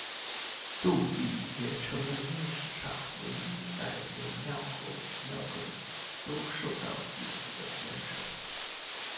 杜预也成为历史上唯一在文庙和武庙中都受到祭祀的贤臣。